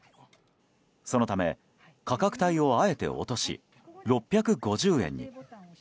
そのため、価格帯をあえて落とし６５０円に。